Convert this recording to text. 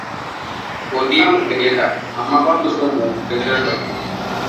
Godiya ma gayyata amma bamu so mu gajiyar da ku.